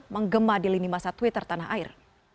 menggema di lini masa twitter tanah air